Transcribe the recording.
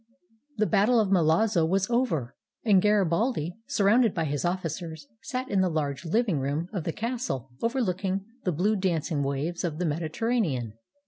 ] The battle of Milazzo was over, and Garibaldi, sur rounded by his ofiScers, sat in the large living room of the castle overlooking the blue dancing waves of the Mediterranean.